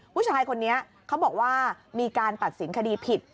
ผู้ชายคนนี้เขาบอกว่ามีการตัดสินคดีผิด